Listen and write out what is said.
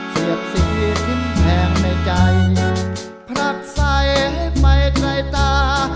เสือกสีทิ้งแทงในใจพรักใสให้ไปใจตา